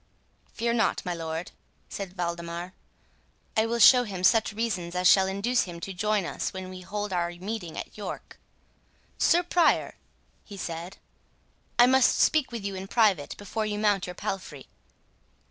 "Fear not, my lord," said Waldemar; "I will show him such reasons as shall induce him to join us when we hold our meeting at York.—Sir Prior," he said, "I must speak with you in private, before you mount your palfrey."